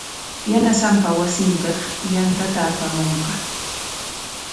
Yanasanpa wasinpik yantata apamunqa.